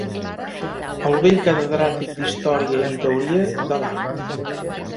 ...al vell catedràtic d'Història i Teoria de l'Art.